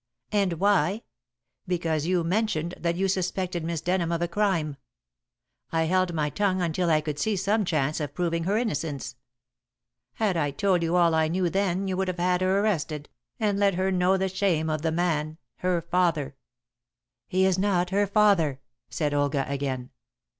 "And why? Because you mentioned that you suspected Miss Denham of a crime. I held my tongue until I could see some chance of proving her innocence. Had I told you all I knew then you would have had her arrested, and let her know the shame of the man her father." "He is not her father," said Olga again.